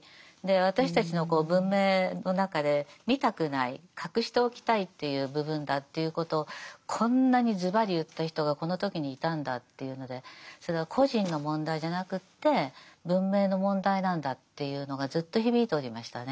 私たちの文明の中で見たくない隠しておきたいという部分だということをこんなにズバリ言った人がこの時にいたんだっていうのでそれは個人の問題じゃなくって文明の問題なんだっていうのがずっと響いておりましたね。